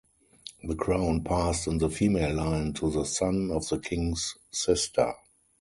The crown passed in the female line to the son of the king's sister.